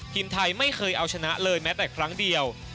ทีมไทยไม่เคยเอาชนะเลยแม้แต่ครั้งเดียว